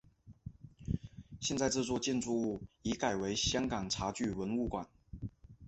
现在这座建筑物已改为香港茶具文物馆。